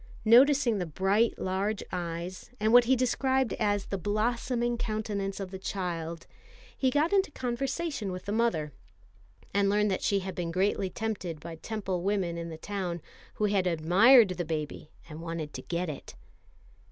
Noticing the bright large eyes, and what he described as the "blossoming countenance of the child," he got into conversation with the mother, and learned that she had been greatly tempted by Temple women in the town, who had admired the baby and wanted to get it.